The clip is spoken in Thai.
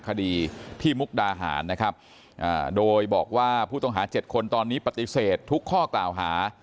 คดีที่มุกดาหารนะครับโดยบอกว่าผู้ต้องหา๗คนตอนนี้ปฏิเสธทุกข้อกล่าวหา